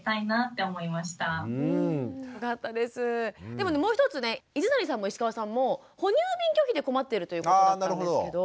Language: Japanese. でもねもう一つね泉谷さんも石川さんも哺乳瓶拒否で困ってるということだったんですけど。